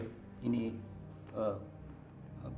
diberikan gaji mereka yang terakhir